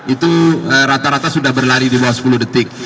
itu rata rata sudah berlari di bawah sepuluh detik